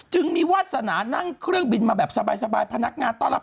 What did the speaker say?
จึงมีวาสนานั่งเครื่องบินมาแบบสบายพนักงานต้อนรับ